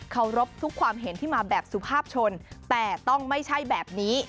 เขารบทุกความเห็นที่มาแบบสุภาพชนแต่ต้องไม่ใช่แบบนี้